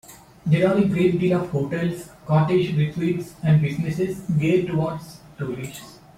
There are a great deal of hotels, cottage retreats, and businesses geared towards tourists.